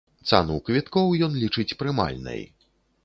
Цану квіткоў ён лічыць прымальнай.